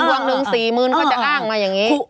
ดวงนึง๔มื้นก็จะอ้างมาอย่างนี้